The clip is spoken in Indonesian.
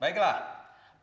masih gak ada